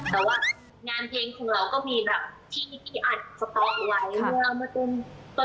แต่ว่างานเพลงของเราก็ที่อ่านสตอปไว้